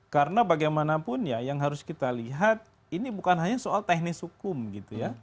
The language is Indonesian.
karena bagaimanapun ya yang harus kita lihat ini bukan hanya soal teknis hukum gitu ya